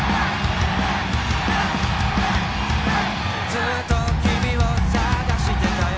ずっときみを探してたよ